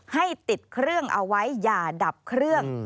ให้ติดเครื่องเอาไว้อย่าดับเครื่อง